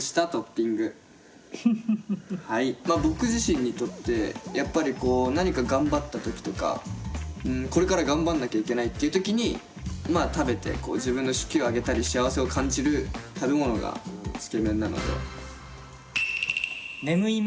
僕自身にとってやっぱり何か頑張った時とかこれから頑張んなきゃいけないっていう時に食べて自分の士気を上げたり幸せを感じる食べ物がつけ麺なので。